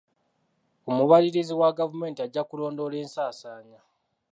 Omubalirizi wa gavumenti ajja kulondoola ensaasaanya.